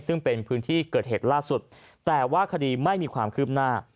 ซึ่งเป็นพื้นที่เกิดเหตุล่าสุดแต่ว่าคดีไม่มีความคืบหน้า